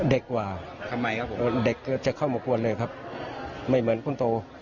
เด็กจะเข้ามากลวนเลยครับไม่เหมือนคุณโต